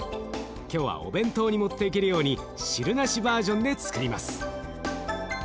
今日はお弁当に持っていけるように汁なしバージョンでつくります。